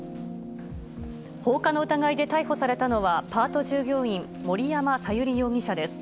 放火の疑いで逮捕されたのは、パート従業員、森山さゆり容疑者です。